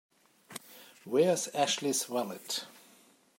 Where's Ashley's wallet?